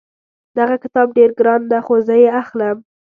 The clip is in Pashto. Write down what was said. دغه کتاب ډېر ګران ده خو زه یې اخلم